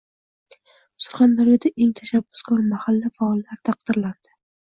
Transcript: Surxondaryoda eng tashabbuskor mahalla faollari taqdirlanding